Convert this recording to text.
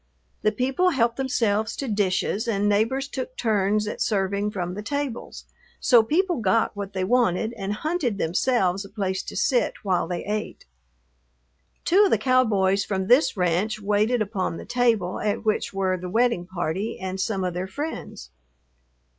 The people helped themselves to dishes and neighbors took turns at serving from the tables, so people got what they wanted and hunted themselves a place to sit while they ate. Two of the cowboys from this ranch waited upon the table at which were the wedding party and some of their friends.